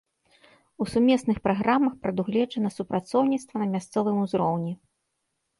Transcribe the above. У сумесных праграмах прадугледжана супрацоўніцтва на мясцовым узроўні.